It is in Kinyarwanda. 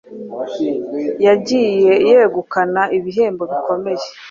yagiye yegukana ibihembo bikomeye